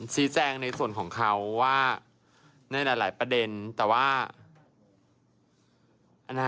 ชี้แจงในส่วนของเขาว่าในหลายประเด็นแต่ว่า